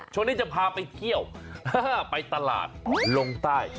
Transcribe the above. ช่วงนี้จะพาไปเที่ยวถ้าไปตลาดลงใต้